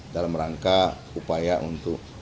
dalam rangka upaya untuk